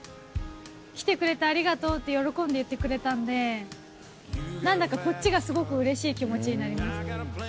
来てくれてありがとうって、喜んで言ってくれたんで、なんだかこっちがすごくうれしい気持ちになりました。